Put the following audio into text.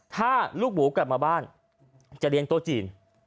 ถ้าลูกหมูกลับมาบ้านจะเลี้ยงโต๊ะจีน